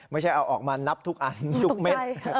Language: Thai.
ไม่ใช่เอาออกมานับทุกอันทุกเม็ด